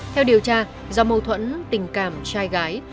theo điều tra do mâu thuẫn tình cảm trai gái